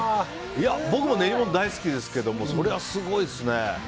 僕も練り物大好きですけどそれはすごいですね。